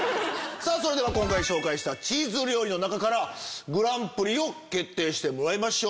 それでは今回紹介したチーズ料理の中からグランプリを決定してもらいましょう。